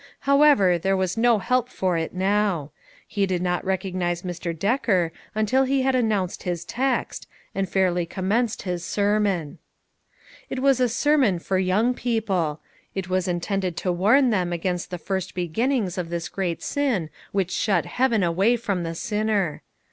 However, there was no help for it now; he did not recognize Mr. Decker until he had announced his text, and fairly commenced his sermon. It was a sermon for young people ; it was in tended to warn them against the first beginnings of this great sin which shut heaven away from the sinner.